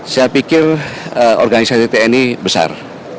saya pikir organisasi tni besar